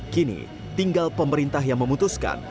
kini tinggal pemerintah yang memutuskan